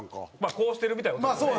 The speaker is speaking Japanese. こうしてるみたいな事ですよね。